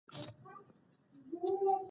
استثنايي وګړي له دې قانونه بهر دي.